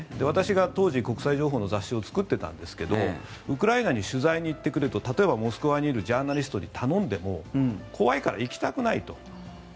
私が当時、国際情報の雑誌を作っていたんですがウクライナに取材に行ってくれと例えばモスクワにいるジャーナリストに頼んでも怖いから行きたくないと。